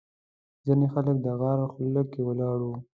ځینې خلک د غار خوله کې ولاړ وو.